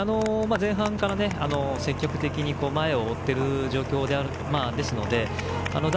前半から積極的に前を追っている状況なので。